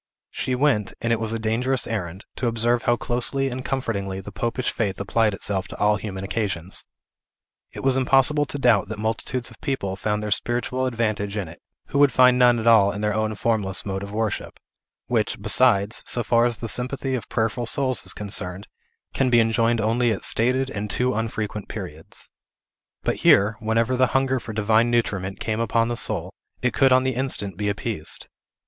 She went and it was a dangerous errand to observe how closely and comfortingly the popish faith applied itself to all human occasions. It was impossible to doubt that multitudes of people found their spiritual advantage in it, who would find none at all in our own formless mode of worship; which, besides, so far as the sympathy of prayerful souls is concerned, can be enjoyed only at stated and too unfrequent periods. But here, whenever the hunger for divine nutriment came upon the soul, it could on the instant be appeased.